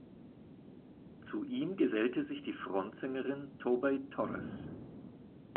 Zu ihm gesellte sich die Frontsängerin Tobey Torres.